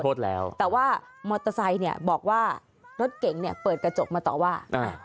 แต่ว่ามอเซ้นี่บอกว่ารถเก่งเปิดกระจกมาต่อว่า